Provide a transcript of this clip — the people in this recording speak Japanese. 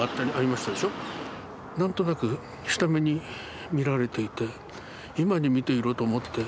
何となく下目に見られていて今に見ていろと思って。